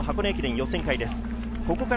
駅伝予選会です。